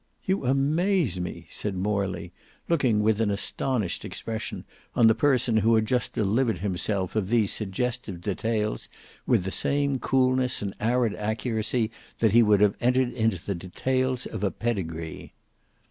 "You amaze me," said Morley, looking with an astonished expression on the person who had just delivered himself of these suggestive details with the same coolness and arid accuracy that he would have entered into the details of a pedigree.